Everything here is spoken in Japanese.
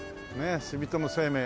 住友生命。